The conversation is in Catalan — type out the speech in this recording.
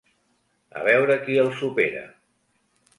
A veure qui el supera.